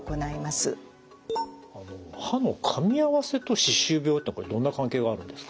歯のかみ合わせと歯周病ってこれどんな関係があるんですか？